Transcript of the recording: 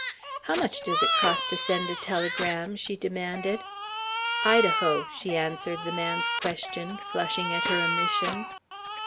"How much does it cost to send a telegram?" she demanded. "Idaho," she answered the man's question, flushing at her omission.